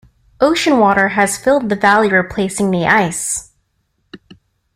Ocean water has filled the valley replacing the ice.